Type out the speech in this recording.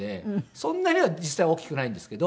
そんなには実際大きくないんですけど。